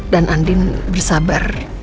dan andin bersabar